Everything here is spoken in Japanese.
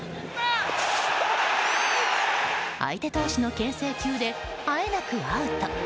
相手投手の牽制球であえなくアウト。